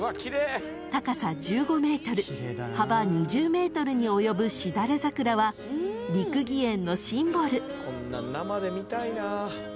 ［高さ１５ｍ幅２０ｍに及ぶしだれ桜は六義園のシンボル］